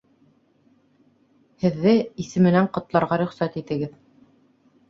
Һеҙҙе... исеменән ҡотларға рөхсәт итегеҙ.